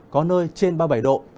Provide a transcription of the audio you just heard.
có nơi trên ba mươi bảy độ